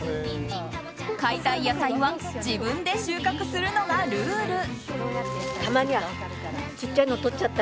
買いたい野菜は自分で収穫するのがルール。